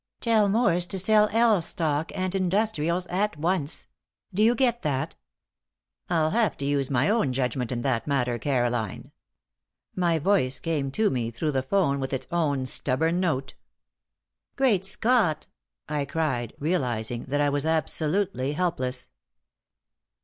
"Tell Morse to sell L stock and industrials at once. Do you get that?" "I'll have to use my own judgment in that matter, Caroline." My voice came to me through the 'phone with its own stubborn note. "Great Scott!" I cried, realizing that I was absolutely helpless.